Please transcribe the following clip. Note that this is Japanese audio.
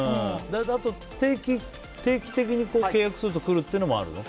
あと定期的に契約すると来るってのもあるの？